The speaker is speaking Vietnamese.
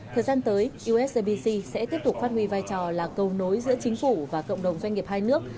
thời gian tới usbc sẽ tiếp tục phát huy vai trò là cầu nối giữa chính phủ và cộng đồng doanh nghiệp hai nước